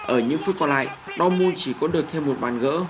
ở những phút còn lại đomu chỉ có được thêm một bàn gỡ